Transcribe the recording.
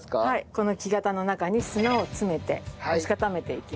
この木型の中に砂を詰めて押し固めていきます。